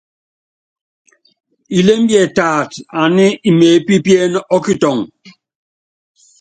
Ilémbie taata, ani imeépípíene ɔ́kitɔŋɔ.